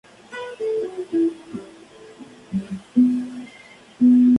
Pero su mecenazgo fue algo caprichoso, y su carácter más bien brusco.